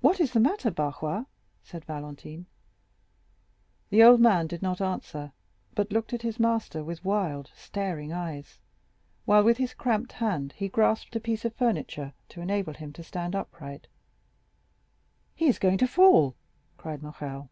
"What is the matter, Barrois?" said Valentine. The old man did not answer, but looked at his master with wild staring eyes, while with his cramped hand he grasped a piece of furniture to enable him to stand upright. "He is going to fall!" cried Morrel.